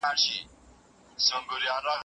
هغه د خپلو جګړه مارو د ملاتړ لپاره پلان جوړ کړ.